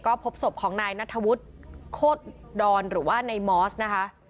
ก็พบศพของนายนัทธวุฒิโคตรดอนหรือว่าในมอสนะคะ